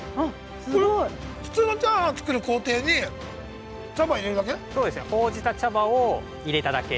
普通のチャーハンを作る工程に茶葉を入れるだけ？